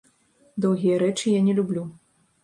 Доўгія рэчы я не люблю.